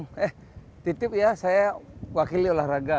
eh titip ya saya wakili olahraga